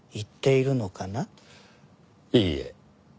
いいえ。